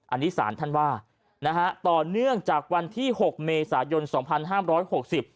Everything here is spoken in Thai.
อันนี้ศาลท่านว่านะฮะต่อเนื่องจากวันที่หกเมษายนสองพันห้ามร้อยหกสิบ